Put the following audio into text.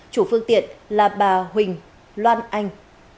chủ phương tiện là bà huỳnh loan anh